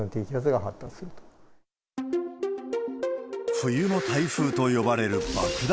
冬の台風と呼ばれる爆弾